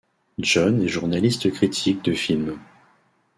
Jon est journaliste critique de films.